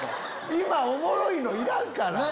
今おもろいのいらんから！